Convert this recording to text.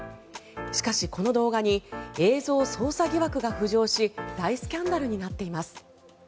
しかし、この動画に映像操作疑惑が浮上し大スキャンダルになっています。